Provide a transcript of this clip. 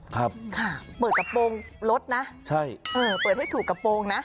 ครับค่ะเปิดกระโปรงรถนะใช่เออเปิดให้ถูกกระโปรงนะ